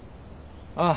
ああ。